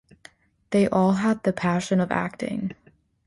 They all had the passion of acting.